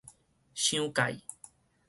傷介